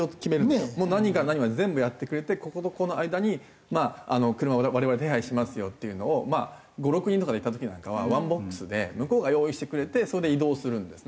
何から何まで全部やってくれてこことここの間に車を我々手配しますよっていうのを５６人とかで行った時なんかはワンボックスで向こうが用意してくれてそれで移動するんですね。